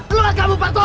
keluar kamu bantu